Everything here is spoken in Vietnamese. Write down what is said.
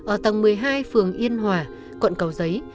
ở tầng một mươi hai phường yên hòa quận cầu giấy